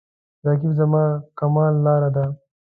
رقیب زما د کمال لاره ده